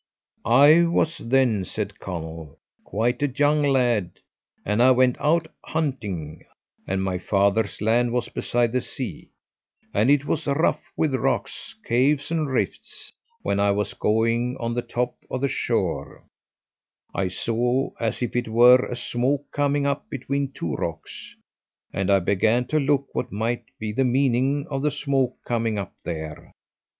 "I was then," said Conall, "quite a young lad, and I went out hunting, and my father's land was beside the sea, and it was rough with rocks, caves, and rifts. When I was going on the top of the shore, I saw as if there were a smoke coming up between two rocks, and I began to look what might be the meaning of the smoke coming up there.